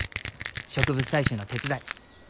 植物採集の手伝い。